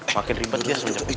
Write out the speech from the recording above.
makin ribet dia semakin cepet